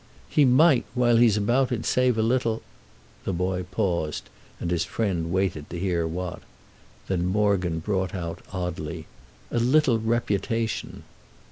"He might, while he's about it, save a little—" The boy paused, and his friend waited to hear what. Then Morgan brought out oddly: "A little reputation."